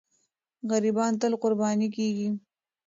غریبان تل قرباني کېږي.